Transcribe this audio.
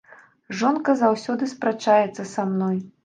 Жонка заўсёды спрачаецца са мной.